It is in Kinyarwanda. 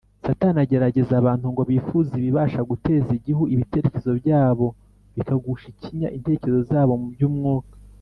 . Satani agerageza abantu ngo bifuze ibibasha guteza igihu ibitekerezo byabo bikagusha ikinya intekerezo zabo mu by’umwuka